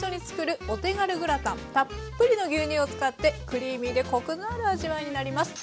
たっぷりの牛乳を使ってクリーミーでコクのある味わいになります。